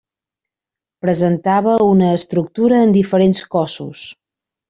Presentava una estructura en diferents cossos.